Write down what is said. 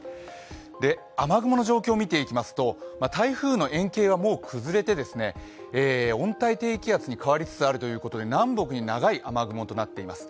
雨雲の状況を見ていきますと台風の円形はもう崩れて温帯低気圧に変わりつつあるということで南北に長い雨雲となっています。